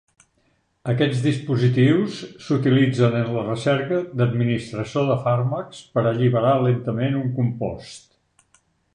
Aquests dispositius s'utilitzen en la recerca d'administració de fàrmacs per alliberar lentament un compost.